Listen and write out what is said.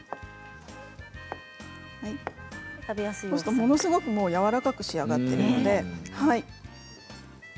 ものすごくやわらかく仕上がっているので。